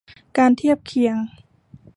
การเทียบเคียง